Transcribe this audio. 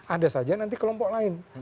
ada saja nanti kelompok lain